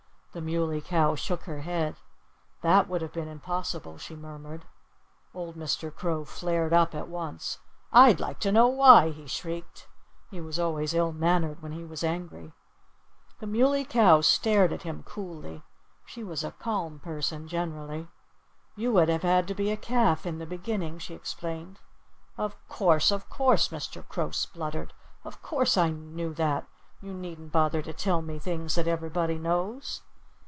The Muley Cow shook her head. "That would have been impossible," she murmured. Old Mr. Crow flared up at once. "I'd like to know why!" he shrieked. He was always ill mannered when he was angry. The Muley Cow stared at him coolly. She was a calm person, generally. "You would have had to be a calf, in the beginning," she explained. "Of course! Of course!" Mr. Crow spluttered. "Of course I knew that. You needn't bother to tell me things that everybody knows."